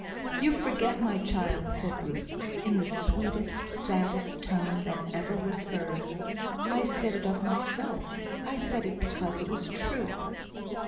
"You forget, my child," said Ruth, in the sweetest, saddest tone that ever was heard, "I said it of myself; I said it because it was true."